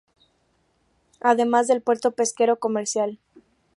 Además del Puerto pesquero-comercial.